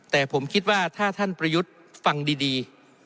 แต่ผมคิดว่าถ้าท่านประยุทธ์ฟังดี